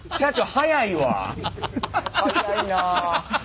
早いなあ。